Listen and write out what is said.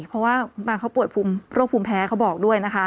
เพราะว่าบางเขาป่วยโรคภูมิแพ้เขาบอกด้วยนะคะ